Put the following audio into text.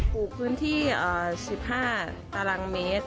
ปลูกพื้นที่๑๕ตารางเมตร